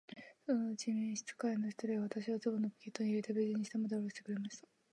そのうちに召使の一人が、私をズボンのポケットに入れて、無事に下までおろしてくれました。